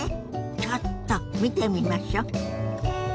ちょっと見てみましょ。